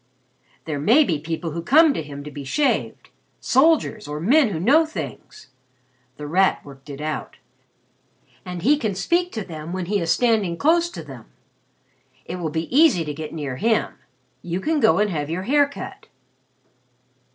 "There may be people who come to him to be shaved soldiers, or men who know things," The Rat worked it out, "and he can speak to them when he is standing close to them. It will be easy to get near him. You can go and have your hair cut."